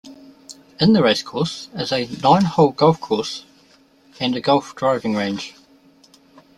In the racecourse is a nine-hole golf course and a golf driving range.